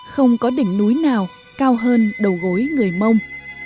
không có đỉnh núi nào cao hơn đầu gối người mông